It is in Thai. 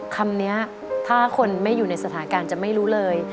คำนี้ถ้าคนไม่อยู่ในสถานการณ์จะไม่รู้เลย